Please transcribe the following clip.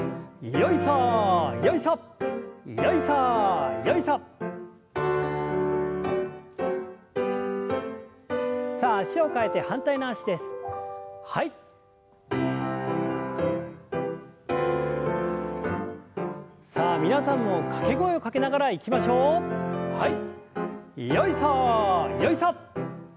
よいさよいさ！